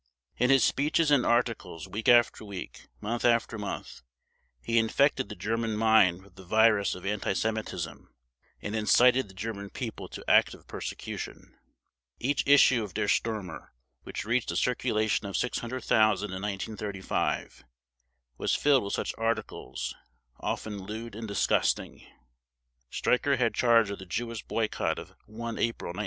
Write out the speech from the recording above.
In his speeches and articles, week after week, month after month, he infected the German mind with the virus of anti Semitism, and incited the German People to active persecution. Each issue of Der Stürmer, which reached a circulation of 600,000 in 1935, was filled with such articles, often lewd and disgusting. Streicher had charge of the Jewish boycott of 1 April 1933.